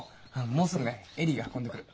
もうすぐね恵里が運んでくる。